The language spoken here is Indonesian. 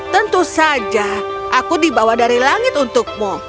tentu saja aku dibawa dari langit untukmu